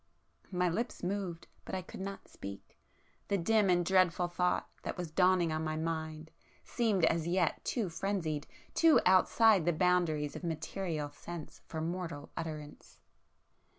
My lips moved,—but I could not speak; the dim and dreadful thought that was dawning on my mind seemed as yet too frenzied, too outside the boundaries of material sense for mortal utterance.